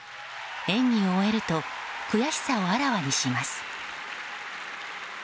演技を終えると悔しさをあらわにします。